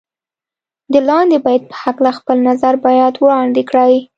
د لاندې بیت په هکله خپل نظر باید وړاندې کړئ.